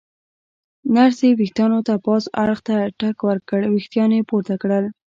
نرسې ورېښتانو ته پاس اړخ ته ټک ورکړ، ورېښتان یې پورته کړل.